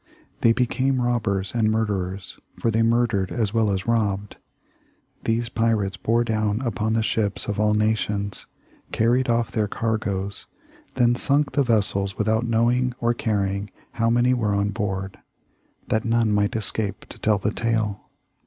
They became robbers and murderers, for they murdered as well as robbed. These pirates bore down upon the ships of all nations, carried off their cargoes, then sunk the vessels without knowing or caring how many were on board, that none might escape to tell the tale.